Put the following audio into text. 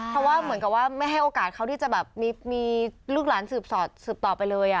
เพราะว่าเหมือนกับว่าไม่ให้โอกาสเขาที่จะแบบมีลูกหลานสืบต่อไปเลย